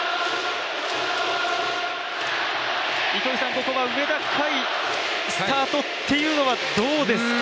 ここは植田海スタートっていうのはどうですか？